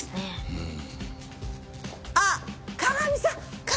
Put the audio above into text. うん。